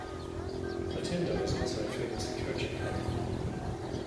Bathinda is also a famous coaching hub.